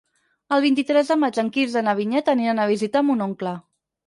El vint-i-tres de maig en Quirze i na Vinyet aniran a visitar mon oncle.